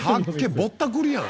ぼったくりやん！